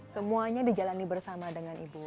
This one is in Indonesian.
semuanya dijalani bersama dengan ibu